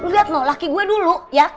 lo liat loh laki gue dulu ya